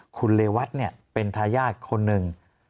คุณเลวัฒน์เนี่ยเป็นทายาทคนหนึ่ง